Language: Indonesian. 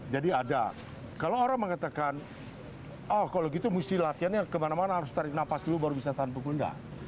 jadi ada kalau orang mengatakan oh kalau gitu musti latihannya kemana mana harus tarik nafas dulu baru bisa tanpa gunda